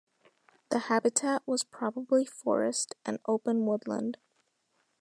The habitat was probably forest and open woodland.